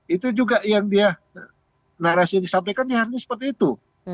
itu juga yang dia narasi yang disampaikan ya harusnya seperti itu